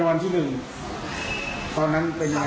ตอนนั้นเป็นอย่างไรคาวอ่อนคาวอ่อนคาวอ่อนคาวอ่อน